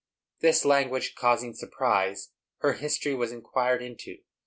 This language causing surprise, her history was inquired into.